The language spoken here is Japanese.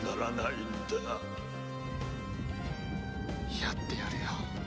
やってやるよ。